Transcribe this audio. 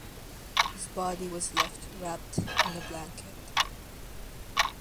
His body was left wrapped in a blanket.